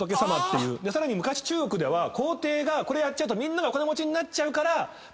でさらに昔中国では皇帝がこれやっちゃうとみんながお金持ちになっちゃうからみんなには。